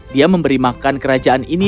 dia memberi makan kerajaan ini